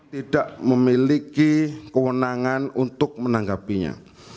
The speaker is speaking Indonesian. tidak memiliki kewenangan untuk menanggapinya